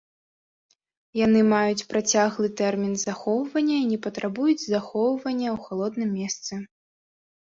Яны маюць працяглы тэрмін захоўвання і не патрабуюць захоўвання ў халодным месцы.